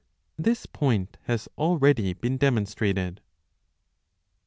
This point has already been demonstrated.